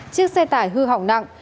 chiếc xe tải hư hỏng nặng